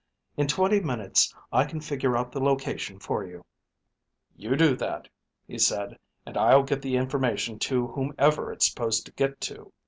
In twenty minutes I can figure out the location for you." "You do that," he said, "and I'll get the information to whomever it's supposed to get to.